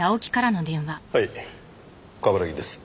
はい冠城です。